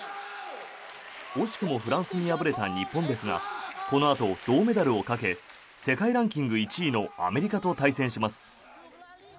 惜しくもフランスに敗れた日本ですがこのあと銅メダルをかけ世界ランキング１位のアメリカと対戦します。